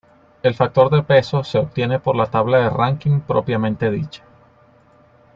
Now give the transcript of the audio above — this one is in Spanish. El factor de peso se obtiene por la tabla de ranking propiamente dicha.